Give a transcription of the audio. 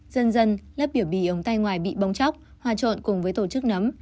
dần dần lớp biểu bì ống tay ngoài bị bóng chóc hòa trộn cùng với tổ chức nấm